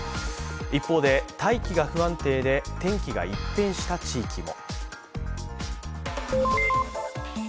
一方で、大気が不安定で天気が一変した地域も。